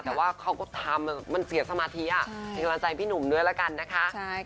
แต่ว่าเขาก็ทำมันเสียสมาธิเป็นกำลังใจพี่หนุ่มด้วยละกันนะคะ